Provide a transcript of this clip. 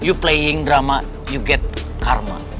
you playing drama you get karma